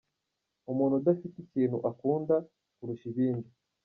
Umuntu udafite ikintu akunda kurusha ibindi.